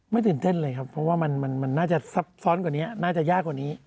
ตื่นเต้นเลยครับเพราะว่ามันน่าจะซับซ้อนกว่านี้น่าจะยากกว่านี้